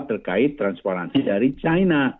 terkait transparansi dari china